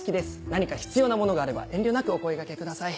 何か必要なものがあれば遠慮なくお声がけください。